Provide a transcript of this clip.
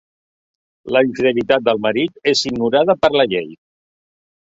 La infidelitat del marit és ignorada per la llei.